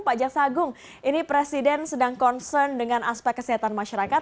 pak jaksa agung ini presiden sedang concern dengan aspek kesehatan masyarakat